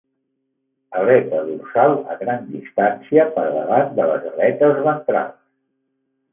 Aleta dorsal a gran distància per davant de les aletes ventrals.